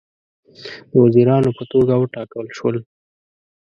د وزیرانو په توګه وټاکل شول.